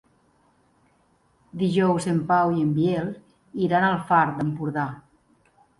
Dijous en Pau i en Biel iran al Far d'Empordà.